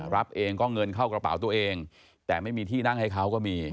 รับเองก็เงินเข้ากระเป๋าตัวเองแต่ไม่มีที่นั่งให้เขาก็มี